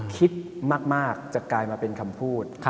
คิดมากจะกลายมาเป็นคำพูด